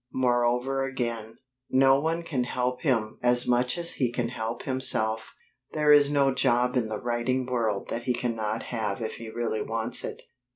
Moreover again, no one can help him as much as he can help himself. There is no job in the writing world that he cannot have if he really wants it.